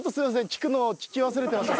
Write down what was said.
聞くのを聞き忘れていました。